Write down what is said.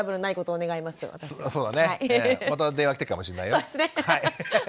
また電話来てるかもしれないよ。